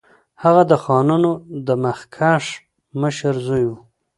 هغه د خانانو د مخکښ مشر زوی وو.